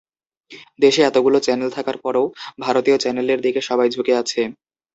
দেশে এতগুলো চ্যানেল থাকার পরও ভারতীয় চ্যানেলের দিকে সবাই ঝুঁকে আছে।